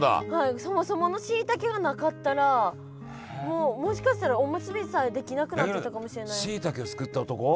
そもそものしいたけがなかったらもうもしかしたらおむすびさえできなくなってたかもしれない。